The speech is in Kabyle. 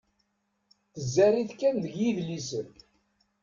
Tezzar-it kan deg yidlisen.